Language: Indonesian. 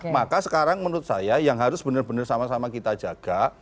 maka sekarang menurut saya yang harus benar benar sama sama kita jaga